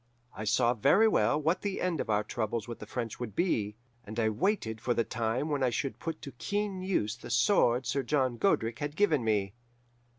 I saw very well what the end of our troubles with the French would be, and I waited for the time when I should put to keen use the sword Sir John Godric had given me.